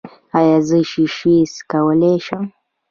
ایا زه شیشې څکولی شم؟